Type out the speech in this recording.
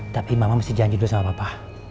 tapi mama mesti janji dulu sama bapak